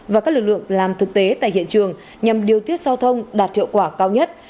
và các lực lượng làm thực tế tại hiện trường nhằm điều tiết giao thông đạt hiệu quả cao nhất